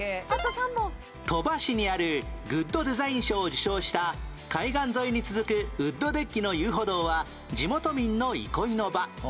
鳥羽市にあるグッドデザイン賞を受賞した海岸沿いに続くウッドデッキの遊歩道は地元民の憩いの場